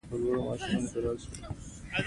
غول دې وخوړل؛ اوس چونه مه ورکوه.